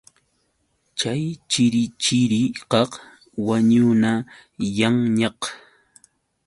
Chay chirichirikaq wañunayanñaq.